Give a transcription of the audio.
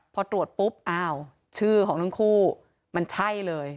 พอตรวจปุ๊บอ้าวชื่อของทั้งคู่มันใช่เลย